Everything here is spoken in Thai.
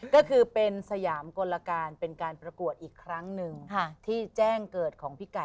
ก็คือเป็นสยามกลการเป็นการประกวดอีกครั้งหนึ่งที่แจ้งเกิดของพี่ไก่